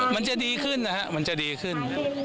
มันจะดีขึ้นนะฮะมันจะดีขึ้น